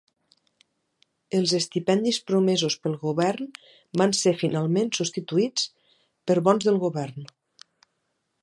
Els estipendis promesos pel govern van ser finalment substituïts per bons del govern.